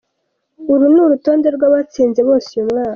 Uru ni urutonde rw’abatsinze bose uyu mwaka.